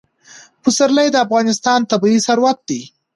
پسرلی د افغانستان طبعي ثروت دی.